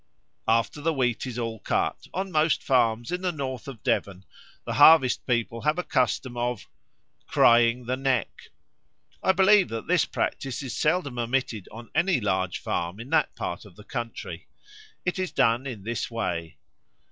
"After the wheat is all cut, on most farms in the north of Devon, the harvest people have a custom of 'crying the neck.' I believe that this practice is seldom omitted on any large farm in that part of the country. It is done in this way.